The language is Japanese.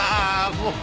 もう。